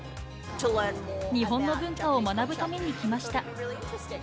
日本の文化を学ぶために来ました。